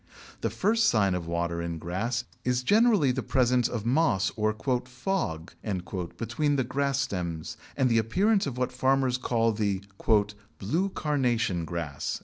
The first sign of water in grass is generally the presence of moss or "fog" between the grass stems and the appearance of what farmers call the "Blue Carnation Grass."